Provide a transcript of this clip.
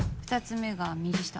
２つ目が右下。